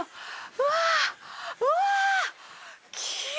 うわ！